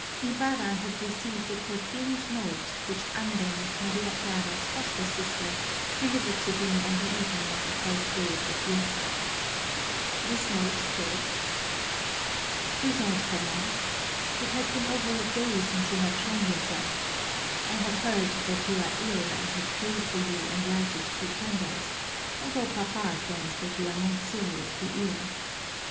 Ibarra had received a perfumed note which Andeng, Maria Clara's foster sister, delivered to him on the evening of the first day of the fiesta. This note said: "CRISOSTOMO, It has been over a day since you have shown yourself. I have heard that you are ill and have prayed for you and lighted two candles, although papa says that you are not seriously ill.